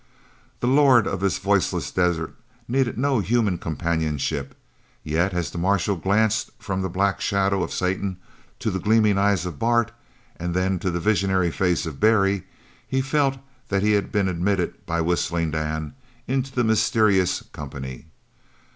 This lord of the voiceless desert needed no human companionship; yet as the marshal glanced from the black shadow of Satan to the gleaming eyes of Bart, and then to the visionary face of Barry, he felt that he had been admitted by Whistling Dan into the mysterious company.